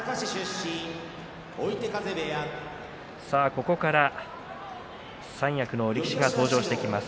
ここから三役の力士が登場します。